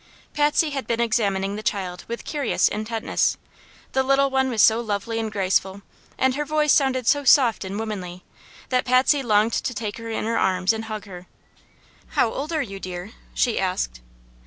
Patsy had been examining the child with curious intentness. The little one was so lovely and graceful, and her voice sounded so soft and womanly, that Patsy longed to take her in her arms and hug her. "How old are you, dear?" she asked.